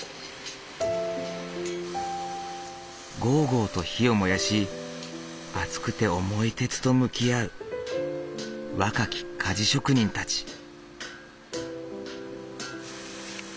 ごうごうと火を燃やし熱くて重い鉄と向き合う若き鍛冶職人たち。